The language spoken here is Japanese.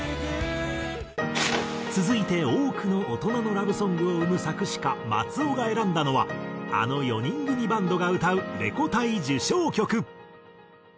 続いて多くの大人のラブソングを生む作詞家松尾が選んだのはあの４人組バンドが歌うレコ大受賞曲。